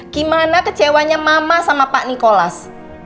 gimana kecewanya mama sama pak nikolas